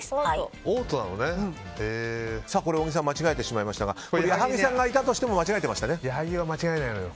小木さん間違えてしまいましたが矢作さんがいたとしても矢作は間違えないのよ